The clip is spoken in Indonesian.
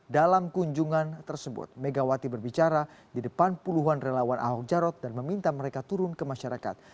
dalam kunjungan tersebut megawati berbicara di depan puluhan relawan ahok jarot dan meminta mereka turun ke masyarakat